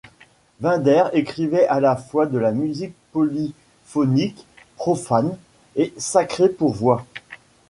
Vinders écrivait à la fois de la musique polyphonique profane et sacrée pour voix.